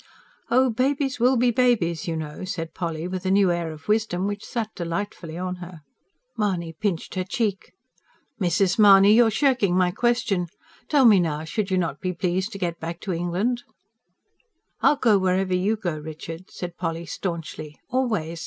"Oh, babies will be babies, you know!" said Polly, with a new air of wisdom which sat delightfully on her. Mahony pinched her cheek. "Mrs. Mahony, you're shirking my question. Tell me now, should you not be pleased to get back to England?" "I'll go wherever you go, Richard," said Polly staunchly. "Always.